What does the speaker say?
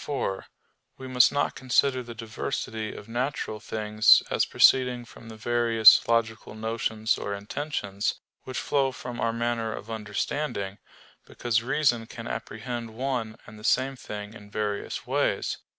4: We must not consider the diversity of natural things as proceeding from the various logical notions or intentions, which flow from our manner of understanding, because reason can apprehend one and the same thing in various ways.